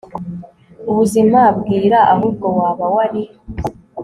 ubuzima bwira ahubwo waba wari